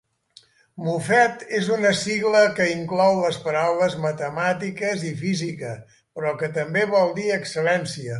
Mofet és una sigla que inclou les paraules "matemàtiques" i "física", però que també vol dir "excel·lència".